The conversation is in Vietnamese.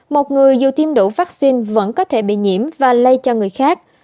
một người dù tiêm đủ vaccine vẫn có thể bị nhiễm và lây cho người khác